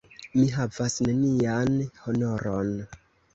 Mi havas nenian honoron!